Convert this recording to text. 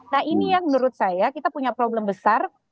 nah ini yang menurut saya kita punya problem besar